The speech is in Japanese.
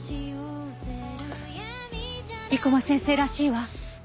生駒先生らしいわ。